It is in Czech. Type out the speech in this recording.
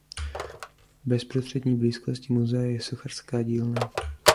V bezprostřední blízkosti muzea je sochařská dílna.